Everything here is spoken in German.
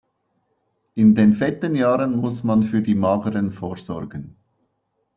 In den fetten Jahren muss man für die mageren vorsorgen.